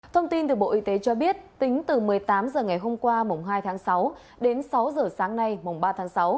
thông tin từ bộ y tế cho biết tính từ một mươi tám h ngày hôm qua mùng hai tháng sáu đến sáu giờ sáng nay mùng ba tháng sáu